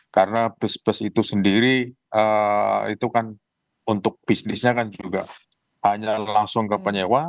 karena bis bis itu sendiri itu kan untuk bisnisnya kan juga hanya langsung ke penyewa